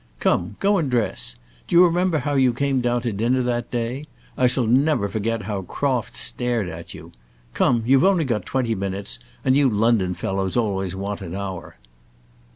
Come, go and dress. Do you remember how you came down to dinner that day? I shall never forget how Crofts stared at you. Come, you've only got twenty minutes, and you London fellows always want an hour."